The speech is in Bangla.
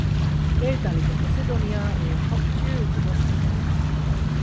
এই তালিকা ম্যাসেডোনিয়া এর সবচেয়ে উচুঁ দশটি ভবনের।